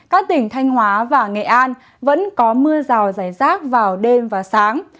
các tỉnh thanh hóa và nghệ an vẫn có mưa rào rải rác vào đêm và sáng